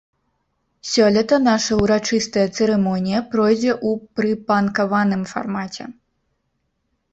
Сёлета наша ўрачыстая цырымонія пройдзе ў прыпанкаваным фармаце!